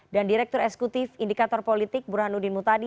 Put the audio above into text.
dan direktur esekutif indikator politik burhanuddin mutadi